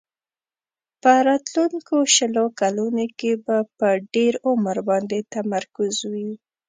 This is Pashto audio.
په راتلونکو شلو کلونو کې به په ډېر عمر باندې تمرکز وي.